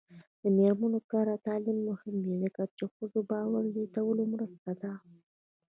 د میرمنو کار او تعلیم مهم دی ځکه چې ښځو باور زیاتولو مرسته ده.